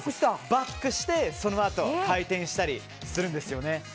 バックして、そのあと回転したりするんですよね。